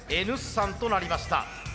Ｎ産となりました。